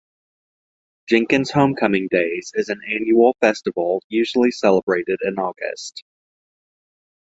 Jenkins Homecoming Days is an annual festival usually celebrated in August.